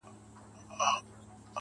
څومره بلند دی~